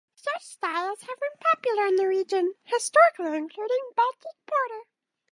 Such styles have been popular in the region, historically including Baltic porter.